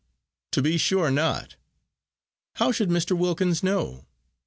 to be sure not. How should Mr. Wilkins know?